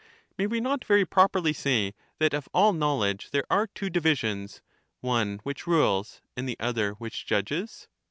May we not very properly say, that of all knowledge, there are two divisions— one which rules, and the other which judges